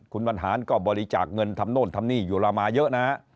คุณบรรหารก็บริจาคเงินทำโน่นทำนี่อยู่เรามาเยอะนะฮะ